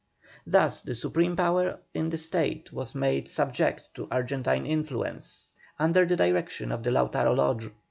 Thus the supreme power in the State was made subject to Argentine influence under the direction of the Lautaro Lodge.